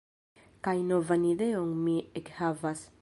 Kaj novan ideon mi ekhavas.